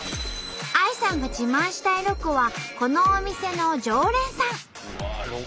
ＡＩさんが自慢したいロコはこのお店の常連さん！